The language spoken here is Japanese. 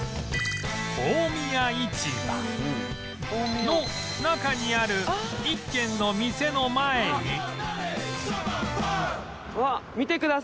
大宮市場の中にある一軒の店の前に